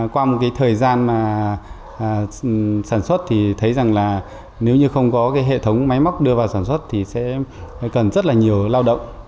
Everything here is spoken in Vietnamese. qua một cái thời gian mà sản xuất thì thấy rằng là nếu như không có cái hệ thống máy móc đưa vào sản xuất thì sẽ cần rất là nhiều lao động